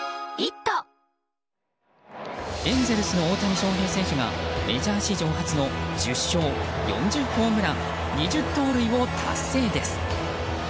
エンゼルスの大谷翔平選手がメジャー史上初の１０勝４０ホームラン２０盗塁を達成です。